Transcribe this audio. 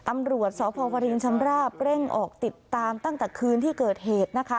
ตำรวจสพวรินชำราบเร่งออกติดตามตั้งแต่คืนที่เกิดเหตุนะคะ